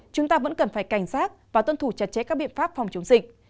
chúng ta vẫn cần phải cảnh giác và tuân thủ chặt chẽ các biện pháp phòng chống dịch